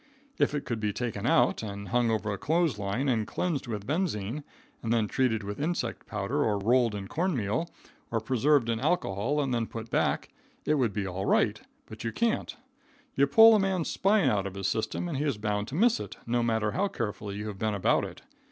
If it could be taken out, and hung over a clothes line and cleansed with benzine, and then treated with insect powder, or rolled in corn meal, or preserved in alcohol, and then put back, it would be all right; but you can't. You pull a man's spine out of his system and he is bound to miss it, no matter how careful you have been about it.